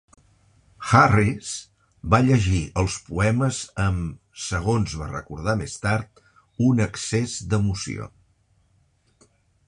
Harris va llegir els poemes amb, segons va recordar més tard, un excés d'emoció.